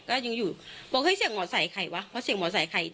ก็ยังอยู่บอกเฮ้ยเสียงหมอใส่ใครวะเพราะเสียงหมอสายใคร